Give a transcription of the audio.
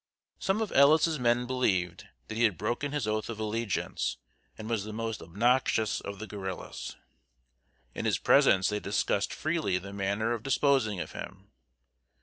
Some of Ellis's men believed that he had broken his oath of allegiance, and was the most obnoxious of the guerrillas. In his presence they discussed freely the manner of disposing of him.